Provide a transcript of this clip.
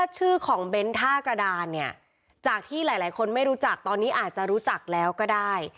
ชื่อของเบ้นท่ากระดานเนี่ยจากที่หลายคนไม่รู้จักตอนนี้อาจจะรู้จักแล้วก็ได้